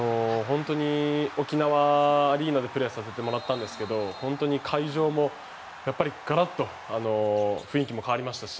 沖縄アリーナでプレーさせてもらったんですが本当に会場もやはりガラッと雰囲気も変わりましたし